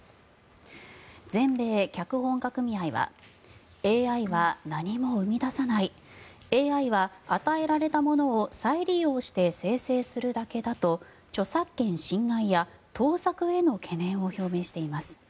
全米脚本家組合はＡＩは何も生み出さないＡＩは与えられたものを再利用して生成するだけだと著作権侵害や盗作への懸念を表明しています。